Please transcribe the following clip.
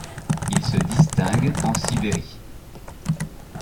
Il se distingue en Sibérie.